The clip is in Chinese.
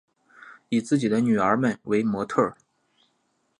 以自己女儿们为模特儿